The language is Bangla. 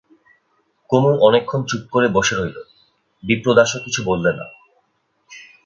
কুমু অনেকক্ষণ চুপ করে বসে রইল, বিপ্রদাসও কিছু বললে না।